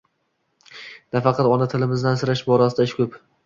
Nafaqat ona tilimizni asrash borasida ish ko'p